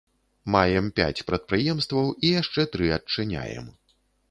Маем пяць прадпрыемстваў і яшчэ тры адчыняем.